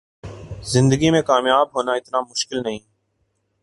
زندگی میں کامیاب ہونا اتنا مشکل نہیں